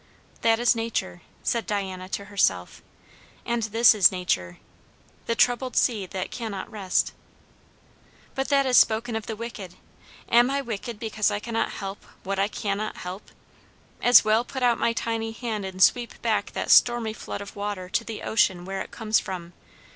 "That is Nature," said Diana to herself; "and this is Nature; 'the troubled sea that cannot rest.' But that is spoken of the wicked; am I wicked because I cannot help what I cannot help? As well put out my tiny hand and sweep back that stormy flood of water to the ocean where it comes from!